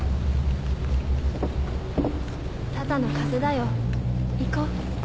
ただの風だよ行こう。